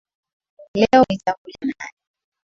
Leo nitakuja naye